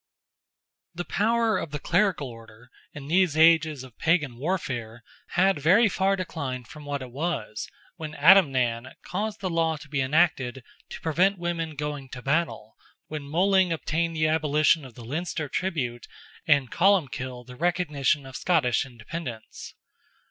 The power of the clerical order, in these ages of Pagan warfare, had very far declined from what it was, when Adamnan caused the law to be enacted to prevent women going to battle, when Moling obtained the abolition of the Leinster tribute, and Columbkill the recognition of Scottish independence.